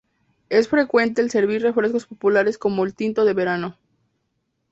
Es frecuente al servir refrescos populares como el tinto de verano.